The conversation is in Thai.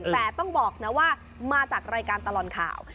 แต่ต้องบอกนะว่ามาจากรายการตลอดข่าว